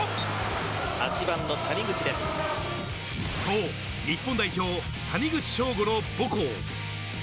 そう、日本代表・谷口彰悟の母校。